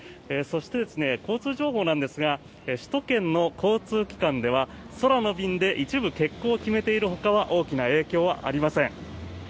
そして、交通情報なんですが首都圏の交通機関では、空の便で一部欠航を決めているほかは大きな影響はありません。